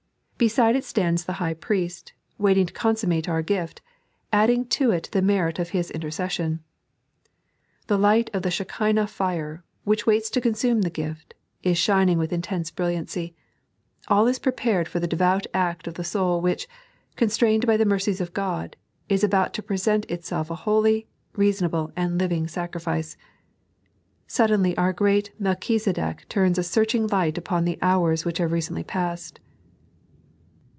Beside it stands the High Priest, waiting to consummate our gift, adding to it the merit of His inter cession. The light of the Shekin&h fire, which waits to consume the gift, is shining with intense brilliancy. All ia prepared for the devout act of the soul which, oonatrained by the mercies of God, is about to present itself a holy, reasonable, and living sacrifice. Suddenly our great Mel chizedek turns a searching light upon the hours which have recently passed.